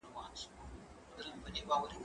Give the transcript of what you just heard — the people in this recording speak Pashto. که وخت وي، مرسته کوم!؟